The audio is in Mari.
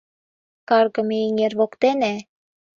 КАРГЫМЕ ЭҤЕР ВОКТЕНЕ